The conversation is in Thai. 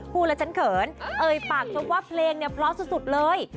พูดแล้วฉันเขินปากช่วยว่าเพลงพลอดสุดเลย